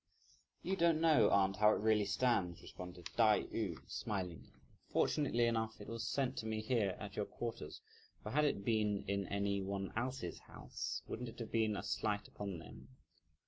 "You don't know, aunt, how it really stands," responded Tai yü smilingly; "fortunately enough, it was sent to me here at your quarters; for had it been in any one else's house, wouldn't it have been a slight upon them?